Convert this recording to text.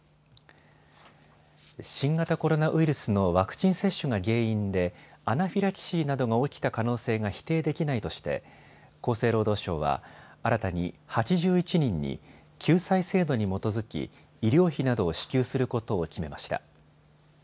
新型コロナウイルスのワクチン接種が原因でアナフィラキシーなどが起きた可能性が否定できないとして厚生労働省は新たに８１人に救済制度に基づき医療費などを支給することを決めました。